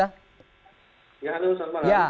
ya halo selamat malam